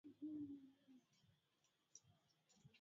nyimbo zinaweza kuongeza ladha ya kipindi cha redio